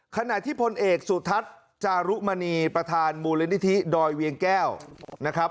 ขณะที่พลเอกสุทัศน์จารุมณีประธานมูลนิธิดอยเวียงแก้วนะครับ